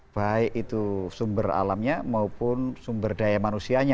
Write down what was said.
baik itu sumber alamnya maupun sumber daya manusianya